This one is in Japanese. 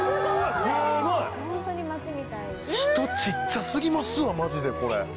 人小っちゃ過ぎますわマジでこれ。